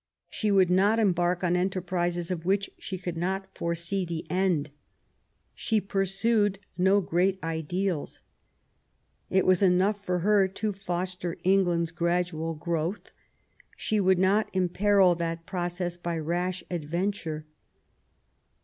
She would not embark on enterprises of which she could not foresee the end. She pursued no great ideals. It was enough for her to foster England's gradual growth ; she would not imperil that process by rash adventure.